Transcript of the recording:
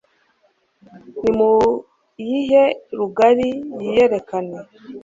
ni muyihe rugari yiyerekane